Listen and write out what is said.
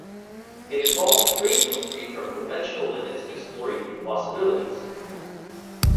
It involves breaking free from conventional limits and exploring new possibilities.